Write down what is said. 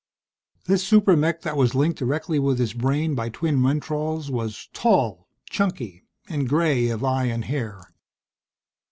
This super mech that was linked directly with his brain by twin mentrols was tall, chunky and gray of eye and hair.